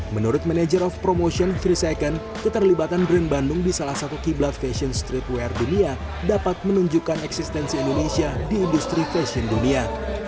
menurut manager of promotion tiga second keterlibatan brand bandung di salah satu kiblat fashion streetwear dunia dapat menunjukkan eksistensi indonesia di industri fashion dunia